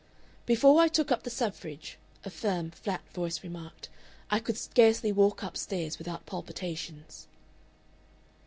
"Before I took up the Suffrage," a firm, flat voice remarked, "I could scarcely walk up stairs without palpitations."